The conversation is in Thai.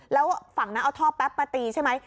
แล้วฝั่งนั้นเอาท่อแป๊บมาตีใช่ไหม